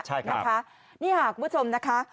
ใช่ครับนี่ฮะคุณผู้ชมนะคะ